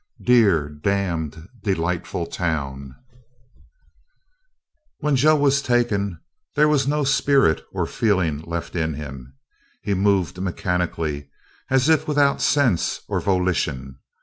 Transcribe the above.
XV "DEAR, DAMNED, DELIGHTFUL TOWN" When Joe was taken, there was no spirit or feeling left in him. He moved mechanically, as if without sense or volition.